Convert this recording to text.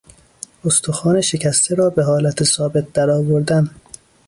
استخوان شکسته را به حالت ثابت درآوردن